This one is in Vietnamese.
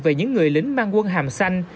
về những người lính mang quân hàm xanh